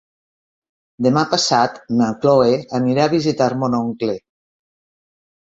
Demà passat na Chloé anirà a visitar mon oncle.